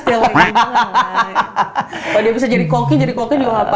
kalau dia bisa jadi koki jadi koki juga apa